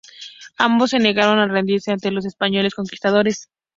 Ambos se negaron a rendirse ante los españoles conquistadores.